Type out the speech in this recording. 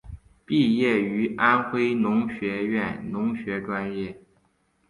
毕业于安徽农学院农学专业。